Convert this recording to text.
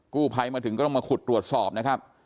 กู้ภัยมาถึงก็ต้องมาขุดตรวจสอบนะครับ